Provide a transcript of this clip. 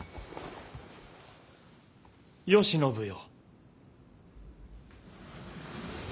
・慶喜よ。